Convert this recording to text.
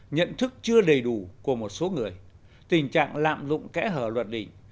nhận thức chưa đầy đủ của một số người tình trạng lạm dụng kẽ hở luật đỉnh